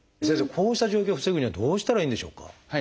こうした状況を防ぐにはどうしたらいいんでしょうか？